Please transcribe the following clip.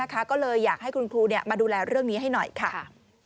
ก็เลยอยากให้คุณครูมาดูแลเรื่องนี้ให้หน่อยค่ะ